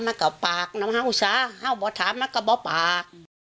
ห้าวถามก็บอกปาก